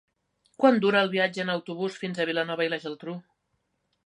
Quant dura el viatge en autobús fins a Vilanova i la Geltrú?